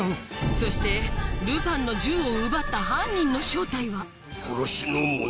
そしてルパンの銃を奪った犯人の正体は殺しの紋章。